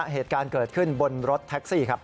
เหตุการณ์เกิดขึ้นบนรถแท็กซี่ครับ